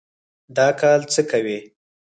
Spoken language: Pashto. دا کال څه کوئ؟